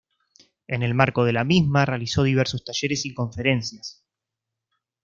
En el marco de la misma, realizó diversos talleres y conferencias.